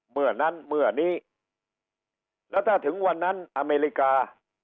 เมื่อนั้นเมื่อนี้แล้วถ้าถึงวันนั้นอเมริกา